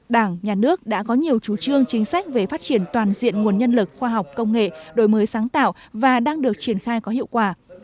đảng nhà nước đã có nhiều chú trương chính sách về phát triển toàn diện nguồn nhân lực khoa học công nghệ đổi mới sáng tạo và đang được triển khai có hiệu quả